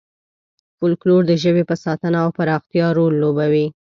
فولکلور د ژبې په ساتنه او پراختیا کې رول لوبولی دی.